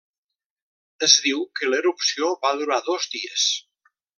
Es diu que l'erupció va durar dos dies.